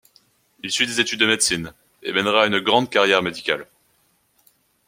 Il y suit des études de médecine et mènera une grande carrière médicale.